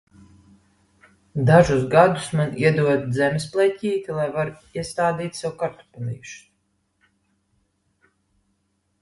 Dažus gadus man iedod zemes pleķīti, lai varu iestādīt sev kartupelīšus.